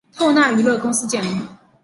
透纳娱乐公司建立。